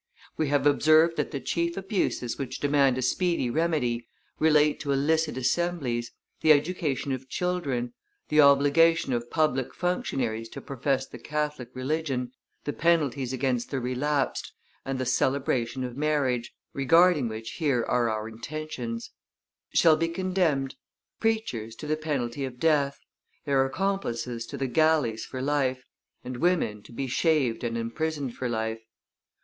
We have observed that the chief abuses which demand a speedy remedy relate to illicit assemblies, the education of children, the obligation of public functionaries to profess the Catholic religion, the penalties against the relapsed, and the celebration of marriage, regarding which here are our intentions: Shall be condemned: preachers to the penalty of death, their accomplices to the galleys for life, and women to be shaved and imprisoned for life.